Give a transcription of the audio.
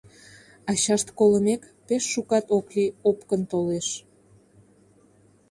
Ачашт колымек, пеш шукат ок лий, опкын толеш.